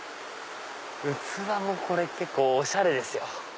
器も結構おしゃれですよ。